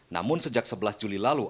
namun sejak sebelas juli lalu